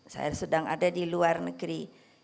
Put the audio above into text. saya sedang ada di luar negeri